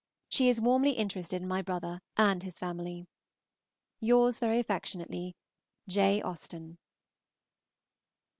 She is warmly interested in my brother and his family. Yours very affectionately, J. AUSTEN.